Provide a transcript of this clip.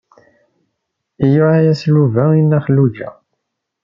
Iluɛa-yas Yuba i Nna Xelluǧa.